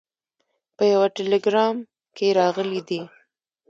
په یوه ټلګرام کې راغلي دي.